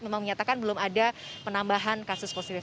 memang menyatakan belum ada penambahan kasus positif